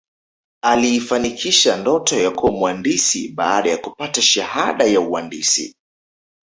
aliifanikisha ndoto ya kuwa mwandisi baada ya kupata shahada ya uandisi